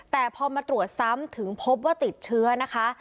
แต่พอมาตรวจซ้ำถึงพบว่าติดเชื้อนะคะ